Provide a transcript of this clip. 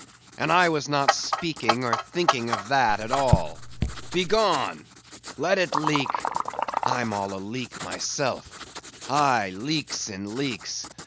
"And I was not speaking or thinking of that at all. Begone! Let it leak! I'm all aleak myself. Aye! leaks in leaks!